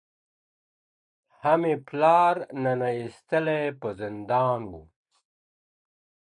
هم یې پلار ننه ایستلی په زندان وو.